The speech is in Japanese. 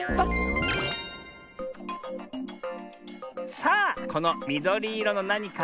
さあこのみどりいろのなにか。